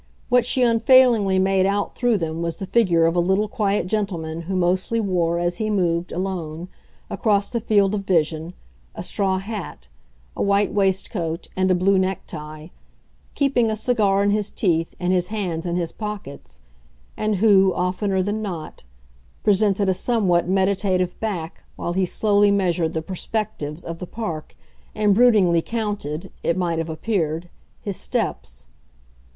What she unfailingly made out through them was the figure of a little quiet gentleman who mostly wore, as he moved, alone, across the field of vision, a straw hat, a white waistcoat and a blue necktie, keeping a cigar in his teeth and his hands in his pockets, and who, oftener than not, presented a somewhat meditative back while he slowly measured the perspectives of the park and broodingly counted (it might have appeared) his steps.